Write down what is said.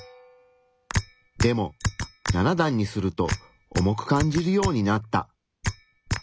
でも７段にすると重く感じるようになった。